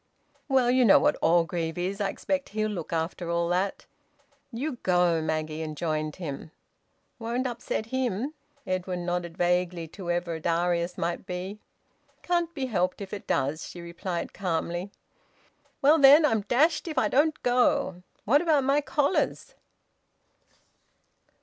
"Well, you know what Orgreave is! I expect he'll look after all that." "You go!" Maggie enjoined him. "Won't upset him?" Edwin nodded vaguely to wherever Darius might be. "Can't be helped if it does," she replied calmly. "Well then, I'm dashed if I don't go! What about my collars?"